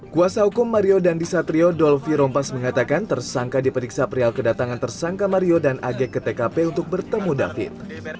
kuasa hukum mario dandisatrio dolvi rompas mengatakan tersangka diperiksa perihal kedatangan tersangka mario dan ag ke tkp untuk bertemu david